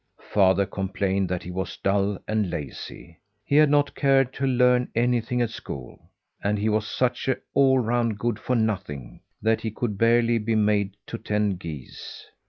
Father complained that he was dull and lazy; he had not cared to learn anything at school, and he was such an all round good for nothing, that he could barely be made to tend geese.